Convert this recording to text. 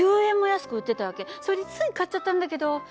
それでつい買っちゃったんだけど。